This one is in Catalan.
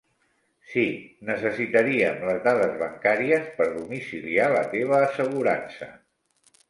Sí, necessitaríem les dades bancàries per domiciliar la teva assegurança.